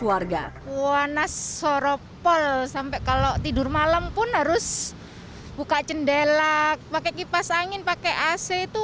warga kuanas soropol sampai kalau tidur malam pun harus buka jendela pakai kipas angin pakai ac itu